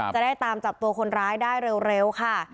จะได้ตามจับตัวคนร้ายได้เร็วค่ะ